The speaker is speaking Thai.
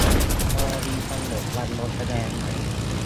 กรณีกำหนดวันลงคะแนนใหม่